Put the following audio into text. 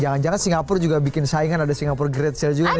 jangan jangan singapura juga bikin saingan ada singapura great sale juga